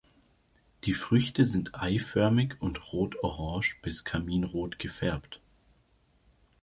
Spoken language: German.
Die Früchte sind eiförmig und rotorange bis karminrot gefärbt.